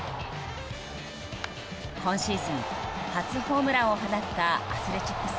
今シーズン初ホームランを放ったアスレチックス